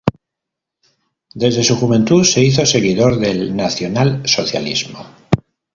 Desde su juventud se hizo seguidor del Nacionalsocialismo.